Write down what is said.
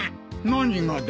何がだ。